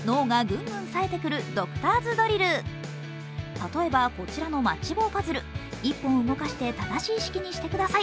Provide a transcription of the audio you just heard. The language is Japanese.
例えばこちらのマッチ棒パズル、１本動かして正しい式にしてください。